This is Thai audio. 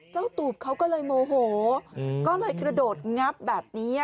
ตูบเขาก็เลยโมโหก็เลยกระโดดงับแบบนี้